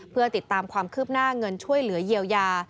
เพื่อติดตามความคืบหน้าเงินช่วยเหลือเยียวยา